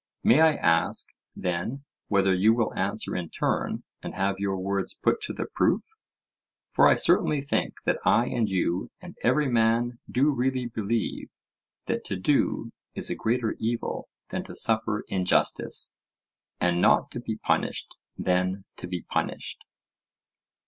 May I ask then whether you will answer in turn and have your words put to the proof? For I certainly think that I and you and every man do really believe, that to do is a greater evil than to suffer injustice: and not to be punished than to be punished.